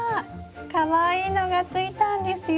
かわいいのがついたんですよ。